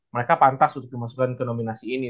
mereka pantas untuk dimasukkan ke nominasi ini